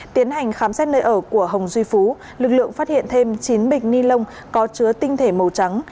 tiến hành khám xét nơi ở của hồng duy phú lực lượng phát hiện thêm chín bịch ni lông có chứa tinh thể màu trắng